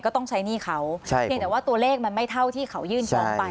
ต้องใช้หนี้เขาใช่เพียงแต่ว่าตัวเลขมันไม่เท่าที่เขายื่นจองไป